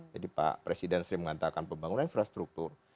jadi pak presiden sering mengatakan pembangunan infrastruktur